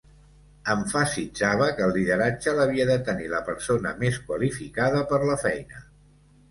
Emfasitzava que el lideratge l'havia de tenir la persona més qualificada per la feina.